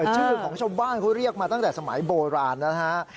ชื่อของชาวบ้านเขาเรียกมาตั้งแต่สมัยโบราณนะฮะ